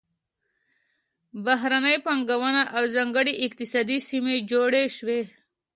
بهرنۍ پانګونه او ځانګړې اقتصادي سیمې جوړې شوې.